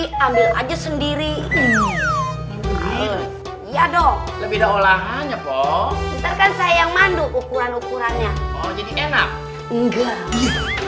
tapi ambil aja sendiri ya dong lebih dahulah hanya poh saya yang manduk ukuran ukurannya enggak